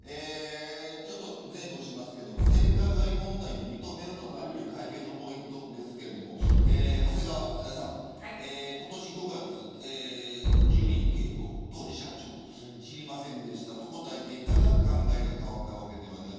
ちょっと前後しますけど性加害問題を認めるのかという会見のポイントですが長谷川さん今年５月ジュリー景子、当時の社長が知りませんでしたと答えていたが考えが変わったわけではない。